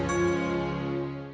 sampai jumpa lagi